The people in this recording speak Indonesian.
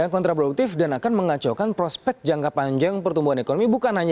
kontraproduktif dan akan mengacaukan prospek jangka panjang pertumbuhan ekonomi